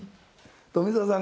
富澤さん